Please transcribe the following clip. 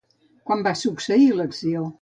Quan va succeir l'acció?